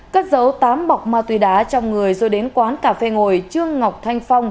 cắt dấu tám bọc ma tùy đá trong người rồi đến quán cà phê ngồi trương ngọc thanh phong